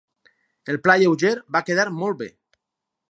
El pla lleuger va quedar molt bé.